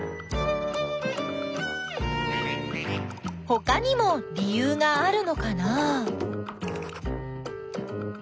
ほかにも理ゆうがあるのかな？